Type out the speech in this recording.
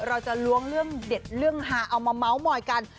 ล้วงเรื่องเด็ดเรื่องฮาเอามาเม้ามอยกัน